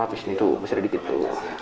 pembuatan susu kambing di dalam kubur